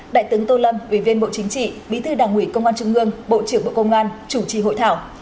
đại tướng tô lâm ủy viên bộ chính trị bí thư đảng ủy công an trung ương bộ trưởng bộ công an chủ trì hội thảo